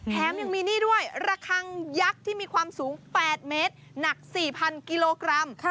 แถมยังมีนี่ด้วยระคังยักษ์ที่มีความสูง๘เมตรหนัก๔๐๐กิโลกรัม